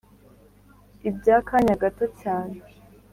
ibya kanya gato cyane.